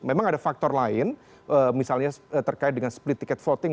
memang ada faktor lain misalnya terkait dengan split ticket voting